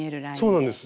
そうなんです。